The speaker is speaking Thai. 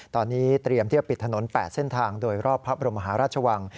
ตอนนี้เตรียมที่จะปิดถนน๘เส้นทางโดยรอบพระบรมหาราชวัง